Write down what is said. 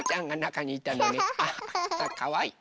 かわいい。